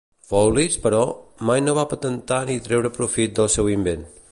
Foulis, però, mai no va patentar ni treure profit del seu invent.